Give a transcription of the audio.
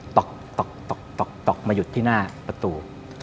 ตกจะมาจดที่หน้าประตู